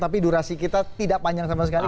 demokrasi kita tidak panjang sama sekali